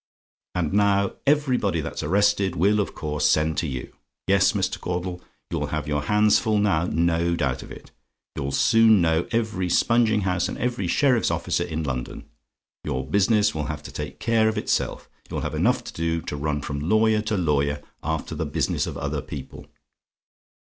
"And now, everybody that's arrested will of course send to you. Yes, Mr. Caudle, you'll have your hands full now, no doubt of it. You'll soon know every sponging house and every sheriff's officer in London. Your business will have to take care of itself; you'll have enough to do to run from lawyer to lawyer after the business of other people.